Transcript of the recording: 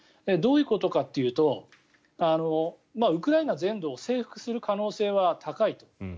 どういうことかというとウクライナ全土を征服する可能性は高いと。